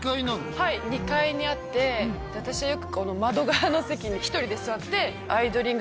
はい２階にあって私はよく窓側の席に一人で座ってアイドリング！！！